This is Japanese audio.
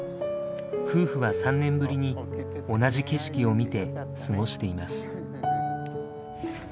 夫婦は３年ぶりに同じ景色を見て過ごしています。